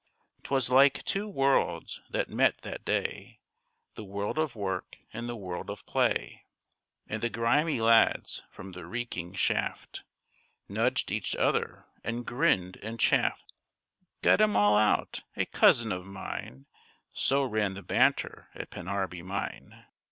'Twas like two worlds that met that day— The world of work and the world of play; And the grimy lads from the reeking shaft Nudged each other and grinned and chaffed. 'Got 'em all out!' 'A cousin of mine!' So ran the banter at Pennarby mine.